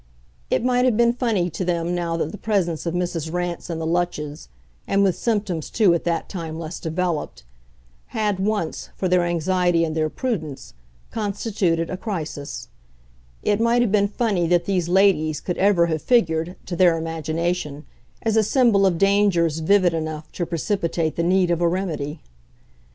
It might have been funny to them now that the presence of Mrs. Rance and the Lutches and with symptoms, too, at that time less developed had once, for their anxiety and their prudence, constituted a crisis; it might have been funny that these ladies could ever have figured, to their imagination, as a symbol of dangers vivid enough to precipitate the need of a remedy.